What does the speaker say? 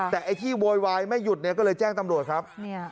แต่ที่โวยวายไม่หยุดก็เลยแจ้งตำรวจครับ